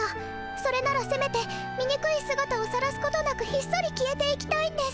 それならせめてみにくいすがたをさらすことなくひっそり消えていきたいんです。